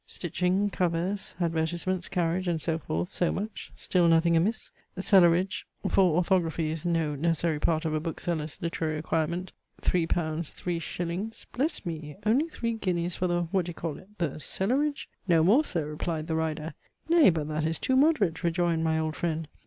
Stitching, covers, advertisements, carriage, and so forth, so much." Still nothing amiss. Selleridge (for orthography is no necessary part of a bookseller's literary acquirements) L3. 3s. "Bless me! only three guineas for the what d'ye call it the selleridge?" "No more, Sir!" replied the rider. "Nay, but that is too moderate!" rejoined my old friend.